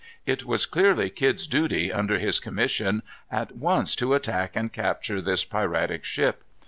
It was clearly Kidd's duty, under his commission, at once to attack and capture this piratic ship.